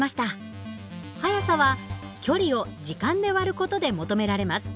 速さは距離を時間で割る事で求められます。